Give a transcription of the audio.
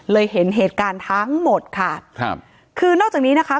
เห็นเหตุการณ์ทั้งหมดค่ะครับคือนอกจากนี้นะคะ